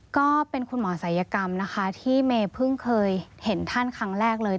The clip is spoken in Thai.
ก็เป็นคุณหมอศัยกรรมนะคะที่เมย์เพิ่งเคยเห็นท่านครั้งแรกเลย